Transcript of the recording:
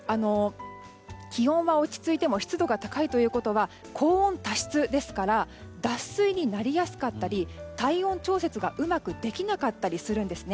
気温は落ち着いても湿度が高いということは高温多湿ですから脱水になりやすかったり体温調節がうまくできなかったりするんですね。